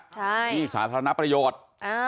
ที่สาธารณประโยชน์